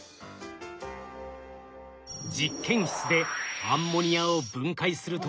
実験室でアンモニアを分解すると。